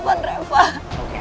aku mau tahan reva